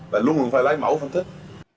và luôn luôn phải lái mẫu phân tích